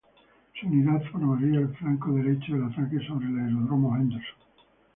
Su unidad formaría el flanco derecho del ataque sobre el Aeródromo Henderson.